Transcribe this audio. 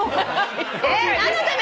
えっ何のため？